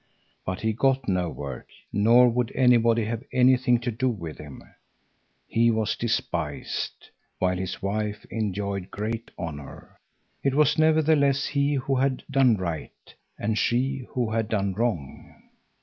But he got no work, nor would anybody have anything to do with him. He was despised, while his wife enjoyed great honor. It was nevertheless he who had done right, and she who had done wrong.